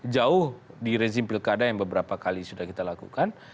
jauh di rezim pilkada yang beberapa kali sudah kita lakukan